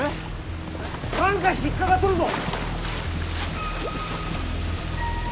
なんか引っかかっとるぞ。